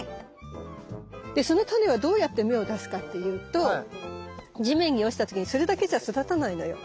でそのタネはどうやって芽を出すかっていうと地面に落ちた時にそれだけじゃ育たないのよ。